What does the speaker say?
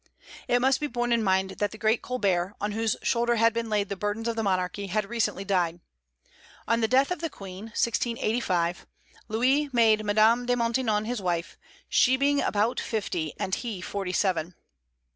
It must be borne in mind that the great Colbert, on whose shoulders had been laid the burdens of the monarchy, had recently died. On the death of the Queen (1685), Louis made Madame de Maintenon his wife, she being about fifty and he forty seven.